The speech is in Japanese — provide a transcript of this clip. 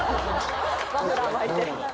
マフラー巻いて。